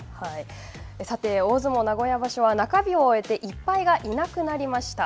さて、大相撲名古屋場所は中日を終えて１敗がいなくなりました。